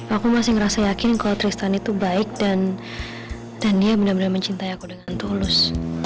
aku masih merasa yakin kalau tristan itu baik dan dia benar benar mencintai aku dengan tulus